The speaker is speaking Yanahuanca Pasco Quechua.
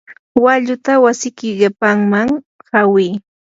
walluta wasiyki qipamman hawi.